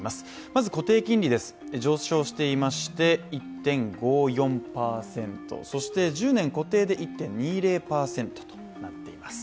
まず固定金利です、上昇していまして１．５４％、あと１０年固定で１．２０％となっています。